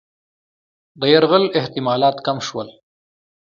د یرغل احتمالات کم شول.